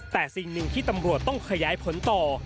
แต่สิ่งหนึ่งที่ตำรวจต้องขยายผลต่อ